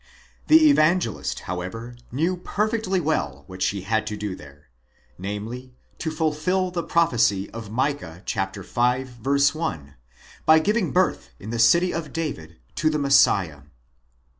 The Evangelist, however, knew perfectly well what she had to do there ; namely, to fulfil the prophecy of Micah (v. 1), by giving birth, in the city of David, to the Messiah.